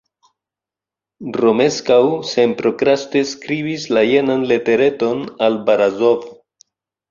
Romeskaŭ senprokraste skribis la jenan letereton al Barazof.